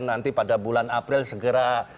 nanti pada bulan april segera